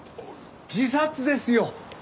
自殺ですよ。